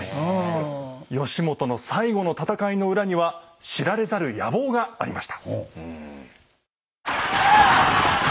義元の最後の戦いの裏には知られざる野望がありました。